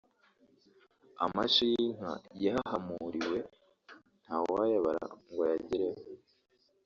amashyo y’inka yahahamuriwe nta wayabara ngo ayagereho